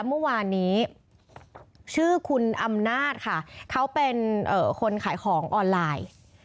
เมื่อวานนี้ชื่อคุณอำนาจค่ะเขาเป็นคนขายของออนไลน์